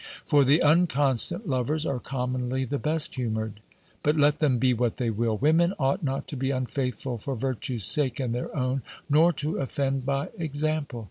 For the unconstant lovers are commonly the best humoured; but let them be what they will, women ought not to be unfaithful for Virtue's sake and their own, nor to offend by example.